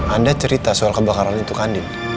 anda cerita soal kebakaran itu ke andin